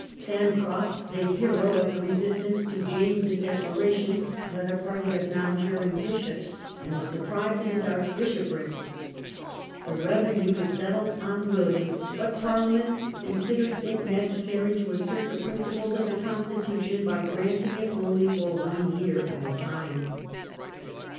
Sancroft, the hero of the resistance to James's Declaration, led a party of non juring bishops, and was deprived of his archbishopric. The revenue was settled on William, but Parliament considered it necessary to assert the principles of the constitution by granting it only for one year at a time.